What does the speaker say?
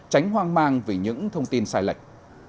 tránh hoang mang vì những thông tin sai lệch